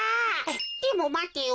でもまてよ。